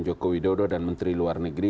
joko widodo dan menteri luar negeri